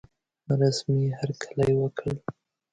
رسمي هرکلی وکړ.